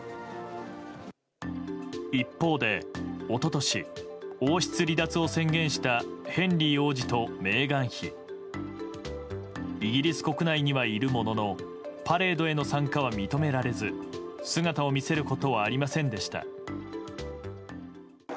一方で、一昨年王室離脱を宣言したヘンリー王子とメーガン妃。イギリス国内に入るもののパレードへの参加は認められず姿を見せることはありませんでした。